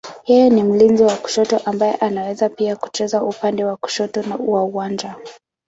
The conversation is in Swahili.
Yeye ni mlinzi wa kushoto ambaye anaweza pia kucheza upande wa kushoto wa uwanja.